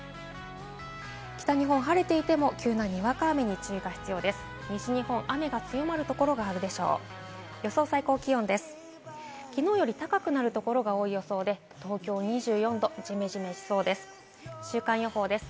北日本、晴れていても急なにわか雨に注意が必要です。